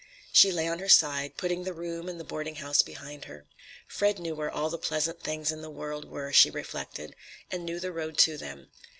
She lay on her side, putting the room and the boarding house behind her. Fred knew where all the pleasant things in the world were, she reflected, and knew the road to them.